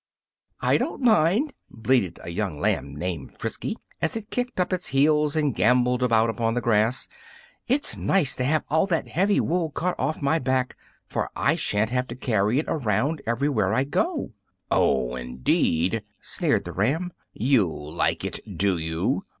"I don't mind," bleated a young lamb named Frisky, as it kicked up its heels and gambolled about upon the grass; "it's nice to have all that heavy wool cut off my back, for I sha'n't have to carry it around wherever I go." "Oh, indeed!" sneered the ram, "you like it, do you?